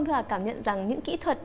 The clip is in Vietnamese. thu hà cảm nhận rằng những kỹ thuật